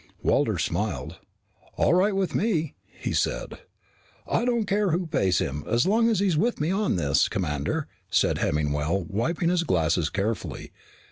Walters smiled. "All right with me," he said. "I don't care who pays him, as long as he's with me on this, Commander," said Hemmingwell, wiping his glasses carefully.